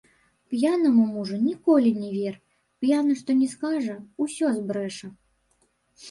П'янаму мужу ніколі не вер, п'яны што ні скажа, усё збрэша.